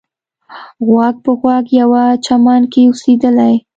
غوږ په غوږ یوه چمن کې اوسېدلې.